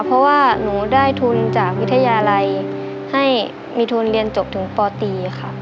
เพราะว่าหนูได้ทุนจากวิทยาลัยให้มีทุนเรียนจบถึงปตีค่ะ